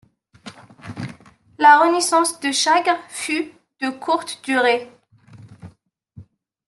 La renaissance de Chagres fut de courte durée.